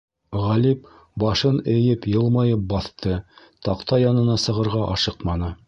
Ғалип башын эйеп йылмайып баҫты, таҡта янына сығырға ашыҡманы.